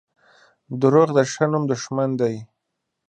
• دروغ د ښه نوم دښمن دي.